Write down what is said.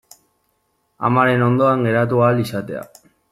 Amaren ondoan geratu ahal izatea.